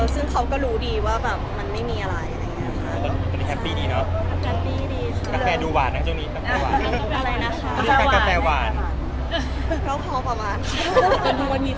ซึ่งเค้าก็รู้ดีว่ามันไม่มีอะไร